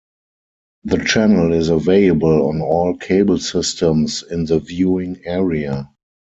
The channel is available on all cable systems in the viewing area.